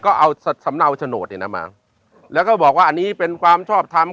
ก็เอาสำเนาโฉนดเนี่ยนะมาแล้วก็บอกว่าอันนี้เป็นความชอบทำ